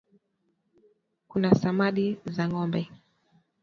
Kuna samadi za ngombe